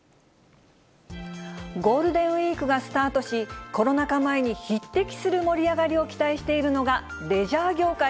ゴールデンウィークがスタートし、コロナ禍前に匹敵する盛り上がりを期待しているのがレジャー業界